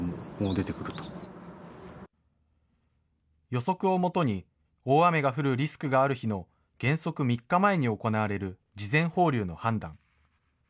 予測を基に、大雨が降るリスクがある日の原則３日前に行われる事前放流の判断。